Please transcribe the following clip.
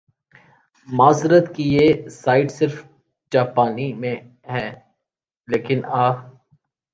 معذرت کہ یہ سائیٹ صرف جاپانی میں ھے لیکن آ